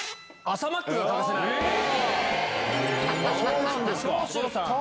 そうなんですか？